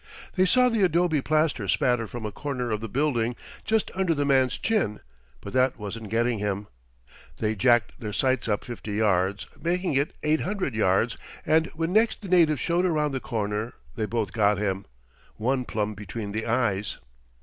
They saw the adobe plaster spatter from a corner of the building just under the man's chin; but that wasn't getting him. They jacked their sights up 50 yards, making it 800 yards; and when next the native showed around the corner they both got him one plumb between the eyes.